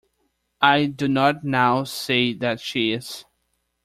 I do not now say that she is.